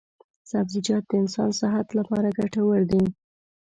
سبزیجات د انسان صحت لپاره ګټور دي.